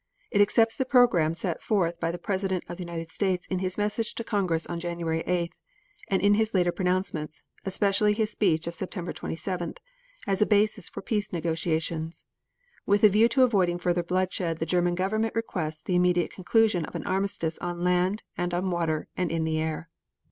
It accepts the program set forth by the President of the United States in his message to Congress on January 8th, and in his later pronouncements, especially his speech of September 27th, as a basis for peace negotiations. With a view to avoiding further bloodshed the German Government requests the immediate conclusion of an armistice on land and on water and in the air.